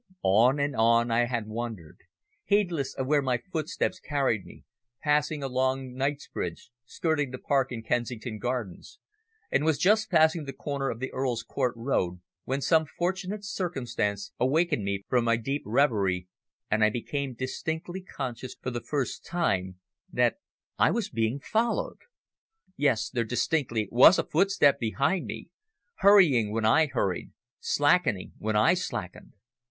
On and on I had wandered, heedless of where my footsteps carried me, passing along Knightsbridge, skirting the Park and Kensington Gardens, and was just passing the corner of the Earl's Court Road when some fortunate circumstance awakened me from my deep reverie, and I became conscious for the first time that I was being followed. Yes, there distinctly was a footstep behind me, hurrying when I hurried, slackening when I slackened.